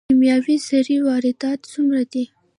د کیمیاوي سرې واردات څومره دي؟